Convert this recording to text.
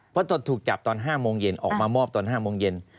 เพราะตอนถูกจับตอน๕โมงเย็นออกมามอบตอน๕โมงเย็น